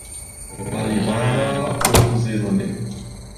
Alibaba - open sesame.